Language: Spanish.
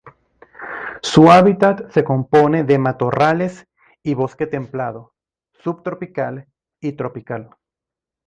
Su hábitat se compone de matorrales y bosque templado, subtropical y tropical.